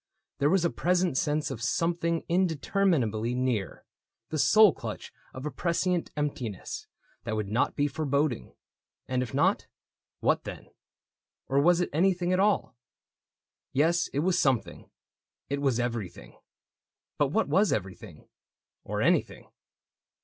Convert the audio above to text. There was a present sense Of something indeterminably near — The soul clutch of a prescient emptiness That would not be foreboding. And if not, What then ?— or was it anything at all ? Yes, it was something — it was everything — But what was everything ? or anything